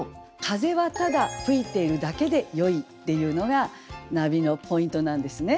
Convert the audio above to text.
「風はただ吹いているだけで良い」っていうのがナビのポイントなんですね。